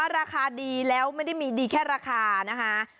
ราคาดีแล้วไม่ได้มีดีแค่ราคานะคะ